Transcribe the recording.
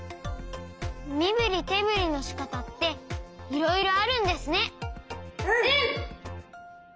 みぶりてぶりのしかたっていろいろあるんですね。